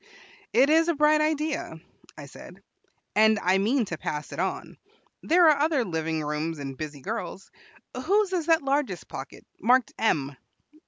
"It is a bright idea," I said, "and I mean to pass it on. There are other living rooms and busy girls. Whose is that largest pocket, marked M?"